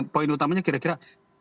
poin utamanya kira kira